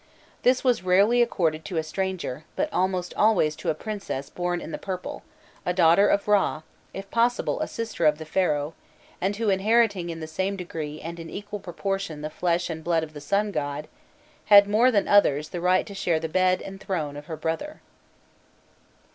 This was rarely accorded to a stranger, but almost always to a princess born in the purple, a daughter of Râ, if possible a sister of the Pharaoh, and who, inheriting in the same degree and in equal proportion the flesh and blood of the Sun god, had, more than others, the right to share the bed and throne of her brother.